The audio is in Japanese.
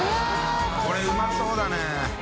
海うまそうだね。